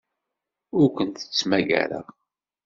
Ur kent-ttmagareɣ.